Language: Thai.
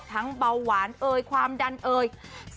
ทั้งเบาหวานเอยความดันเอย